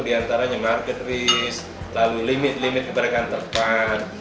di antaranya market race lalu limit limit keberadaan terpan